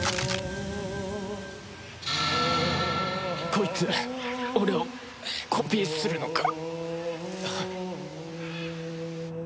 こいつ俺をコピーするのか